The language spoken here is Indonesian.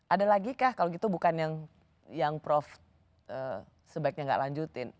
ada lagi kah kalau gitu bukan yang prof sebaiknya nggak lanjutin